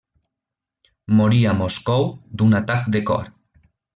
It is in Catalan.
Morí a Moscou d'un atac de cor.